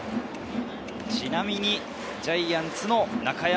ちなみに、ジャイアンツの中山